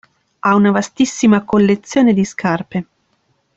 Ha una vastissima collezione di scarpe.